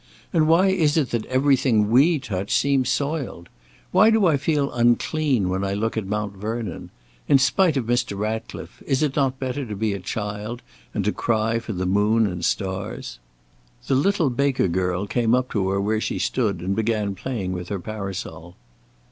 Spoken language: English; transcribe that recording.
and why is it that everything we touch seems soiled? Why do I feel unclean when I look at Mount Vernon? In spite of Mr. Ratcliffe, is it not better to be a child and to cry for the moon and stars? The little Baker girl came up to her where she stood, and began playing with her parasol.